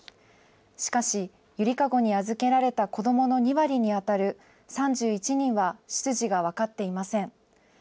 しかし、ゆりかごに預けられた子どもの２割に当たる３１人は出自が分かっていません。